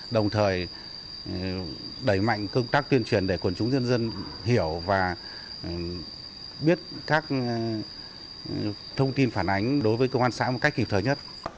đồng thời đẩy mạnh công tác tuyên truyền để quần chúng dân dân hiểu và biết các thông tin phản ánh